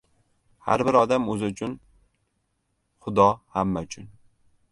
• Har bir odam o‘zi uchun, Xudo ― hamma uchun.